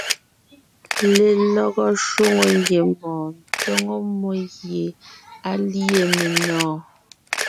Lelɔgɔ shwòŋo ngiembɔɔn tóŋo mmó gie á lîe menɔ̀ɔn.